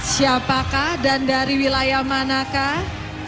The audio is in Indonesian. siapakah dan dari wilayah manakah